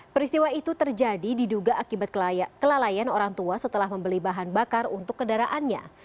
peristiwa itu terjadi diduga akibat kelalaian orang tua setelah membeli bahan bakar untuk kendaraannya